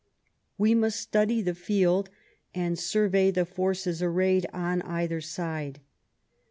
We must study the field and survey the forces arrayed on either side.